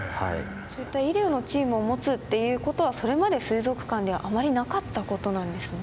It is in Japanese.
そういった医療のチームを持つっていうことはそれまで水族館ではあまりなかったことなんですね。